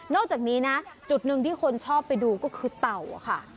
จากนี้นะจุดหนึ่งที่คนชอบไปดูก็คือเต่าค่ะ